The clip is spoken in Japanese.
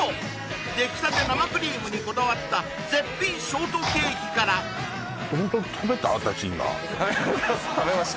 出来たて生クリームにこだわった絶品ショートケーキからホント食べました